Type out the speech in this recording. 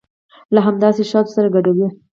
له همداسې شاتو سره ګډوي.